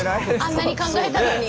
あんなに考えたのに。